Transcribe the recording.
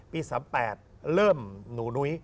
๓๘เริ่มหนูนุ้ย